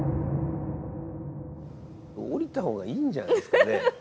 下りた方がいいんじゃないですかね。